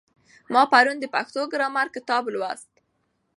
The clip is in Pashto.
ما پرون د پښتو ګرامر کتاب لوست.